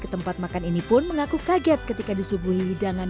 terus karena lagi lapar jadi mantap